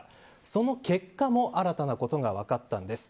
その結果も新たなことが分かったんです。